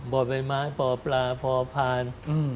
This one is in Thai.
บ่อยใบไม้ปลาพลาพาน